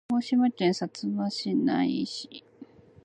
鹿児島県薩摩川内市